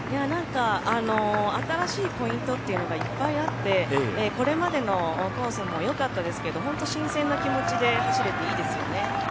新しいポイントっていうのがいっぱいあってこれまでのコースもよかったですけど本当に新鮮な気持ちで走れていいですよね。